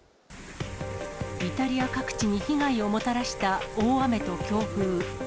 イタリア各地に被害をもたらした大雨と強風。